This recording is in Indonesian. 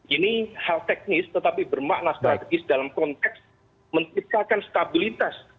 ini hal teknis tetapi bermakna strategis dalam konteks menciptakan stabilitas